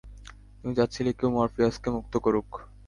তুমি চাচ্ছিলে কেউ মরফিয়াসকে মুক্ত করুক!